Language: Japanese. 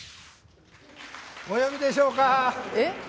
お呼びでしょうか？